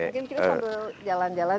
mungkin kita sambil jalan jalan